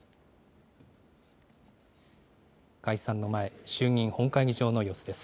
解散の前、衆議院本会議場の様子です。